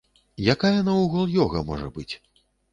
Якая наогул ёга можа быць?